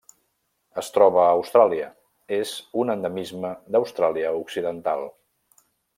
Es troba a Austràlia: és un endemisme d'Austràlia Occidental.